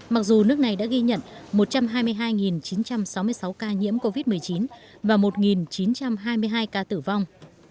mặc dù nước này đã ghi nhận một trăm hai mươi hai chín trăm sáu mươi sáu ca nhiễm covid một mươi chín và một chín trăm hai mươi hai ca tử vong